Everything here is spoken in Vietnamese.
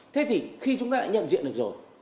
thế thì khi chúng ta đã nhận diện được rồi